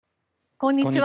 こんにちは。